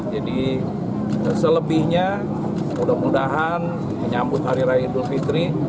jadi selebihnya mudah mudahan menyambut hari raya idul fitri